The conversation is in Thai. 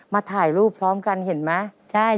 ถ่ายรูปพร้อมกันเห็นไหม